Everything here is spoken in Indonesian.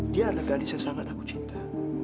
dia adalah gadis yang sangat aku cinta